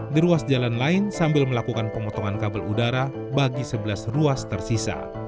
di ruas jalan lain sambil melakukan pemotongan kabel udara bagi sebelas ruas tersisa